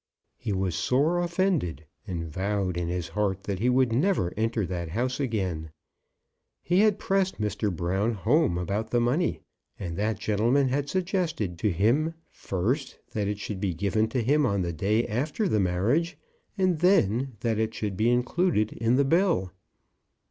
He was sore offended, and vowed in his heart that he would never enter that house again. He had pressed Mr. Brown home about the money; and that gentleman had suggested to him, first, that it should be given to him on the day after the marriage, and then that it should be included in the bill.